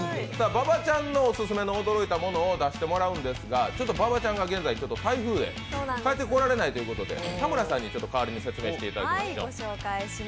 馬場ちゃんのオススメのものを出してもらうんですが、馬場ちゃんが台風で帰ってこられないということで田村さんに代わりに説明していただきましょう。